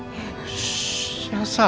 bukan salah endin shah